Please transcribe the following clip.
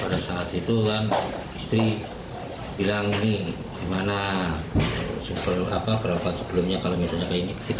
pada saat itu kan istri bilang nih gimana sebelumnya kalau misalnya kita game aja gimana